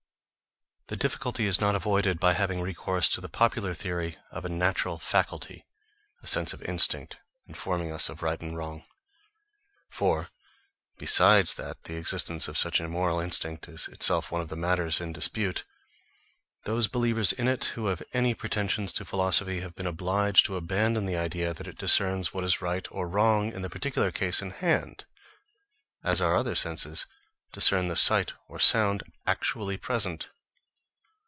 The difficulty is not avoided by having recourse to the popular theory of a natural faculty, a sense or instinct, informing us of right and wrong. For besides that the existence of such a moral instinct is itself one of the matters in dispute those believers in it who have any pretensions to philosophy, have been obliged to abandon the idea that it discerns what is right or wrong in the particular case in hand, as our other senses discern the sight or sound actually present.